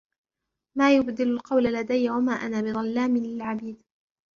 ما يبدل القول لدي وما أنا بظلام للعبيد